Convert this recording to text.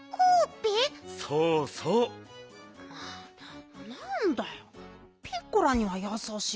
ピッコラにはやさしいじゃん。